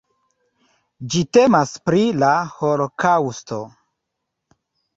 Ĝi temas pri la Holokaŭsto.